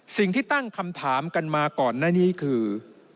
สิ่งที่ตั้งคำถามกันมาก่อนหน้านี้คือ